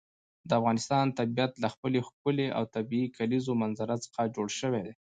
د افغانستان طبیعت له خپلې ښکلې او طبیعي کلیزو منظره څخه جوړ شوی دی.